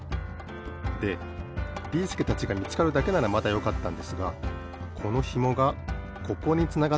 でビーすけたちがみつかるだけならまだよかったんですがこのひもがここにつながってるんですよね。